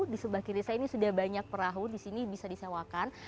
di sebagian desa ini sudah banyak perahu di sini bisa disewakan